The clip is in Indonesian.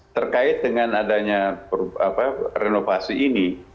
terkait dengan adanya renovasi ini